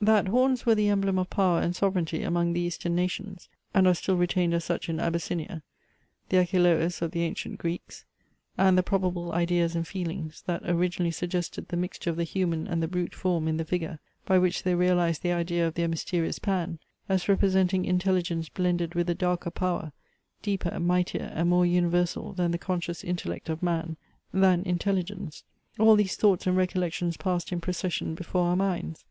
That horns were the emblem of power and sovereignty among the Eastern nations, and are still retained as such in Abyssinia; the Achelous of the ancient Greeks; and the probable ideas and feelings, that originally suggested the mixture of the human and the brute form in the figure, by which they realized the idea of their mysterious Pan, as representing intelligence blended with a darker power, deeper, mightier, and more universal than the conscious intellect of man; than intelligence; all these thoughts and recollections passed in procession before our minds.